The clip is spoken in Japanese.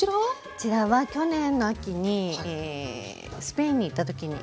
こちらは去年の秋にスペインに行った時に。